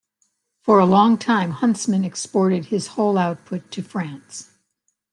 For a long time Huntsman exported his whole output to France.